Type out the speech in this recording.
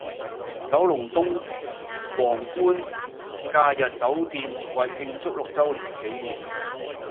九龍東皇冠假日酒店為慶祝六週年紀念